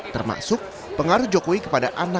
termasuk pengaruh joko widodo